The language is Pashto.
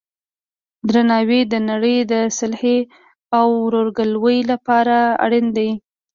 درناوی د نړۍ د صلحې او ورورګلوۍ لپاره اړین دی.